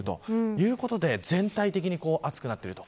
そういうことで全体で暑くなっている。